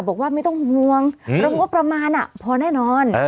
บอกว่าไม่ต้องหวงรงบประมาณน่ะพอแน่นอน